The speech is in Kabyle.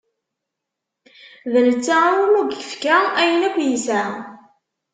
D netta iwumi i yefka ayen akk yesɛa.